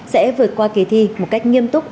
sẽ vượt qua kỳ thi một cách nghiêm túc